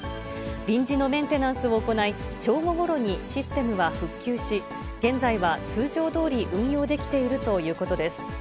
臨時のメンテナンスを行い、正午ごろにシステムは復旧し、現在は通常どおり運用できているということです。